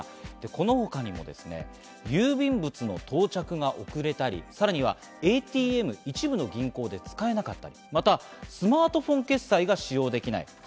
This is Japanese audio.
このほかにも郵便物の到着が遅れたり、ＡＴＭ、一部の銀行で使えなかったり、スマートフォン決済が使用できない。